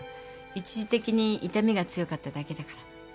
一時的に痛みが強かっただけだから。